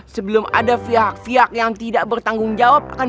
sebelum ada pihak pihak yang tidak bertanggung jawab